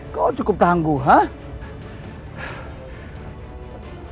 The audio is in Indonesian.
kau cukup tangguh huh